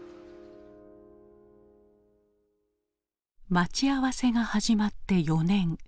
待ち合わせが始まって４年。